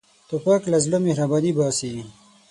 توپک له زړه مهرباني باسي.